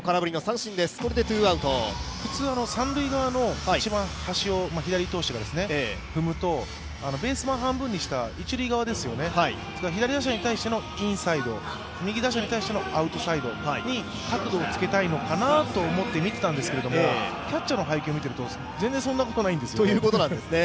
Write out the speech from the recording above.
普通、三塁側の一番端を左投手が踏むと、ベース板を半分にした一塁側ですよね、左打者に対してのインサイド右打者に対してのアウトサイドに角度をつけたいのかと思って見てたんですけどキャッチャーの配球を見ていると、全然そんなことないんですよね。